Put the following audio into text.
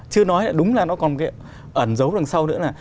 chưa nói là đúng là nó còn cái ẩn dấu đằng sau nữa là